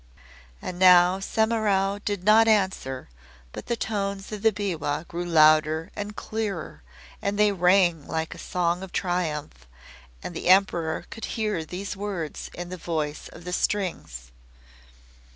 And now Semimaru did not answer, but the tones of the biwa grew louder and clearer, and they rang like a song of triumph, and the Emperor could hear these words in the voice of the strings.